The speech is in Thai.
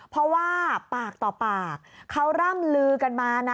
เพราะว่าปากต่อปากเขาร่ำลือกันมานะ